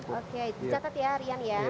oke catat ya rian ya